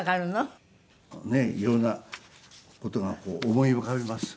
こうね色んな事が思い浮かびます。